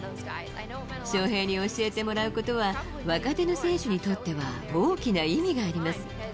翔平に教えてもらうことは、若手の選手にとっては大きな意味があります。